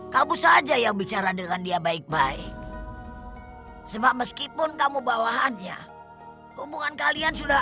kamu saja yang bicara dengan dia baik baik sebab meskipun kamu bawahannya hubungan kalian sudah